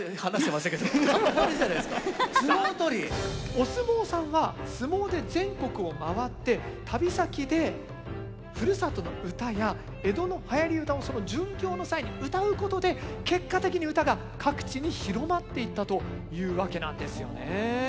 お相撲さんは相撲で全国を回って旅先でふるさとの唄や江戸のはやり唄を巡業の際にうたうことで結果的に唄が各地に広まっていったというわけなんですよね。